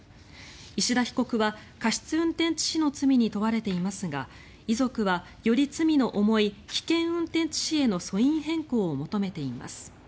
石田被告は過失運転致死の罪に問われていますが遺族は、より罪の重い危険運転致死への訴因変更を求めています。